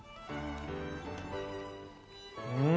うん！